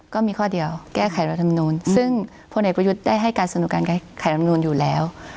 ก็มีข้อเดียวแก้ไขรัฐมนูลซึ่งพลเอกประยุทธ์ได้ให้การสนุกการแก้ไขรำนูนอยู่แล้ว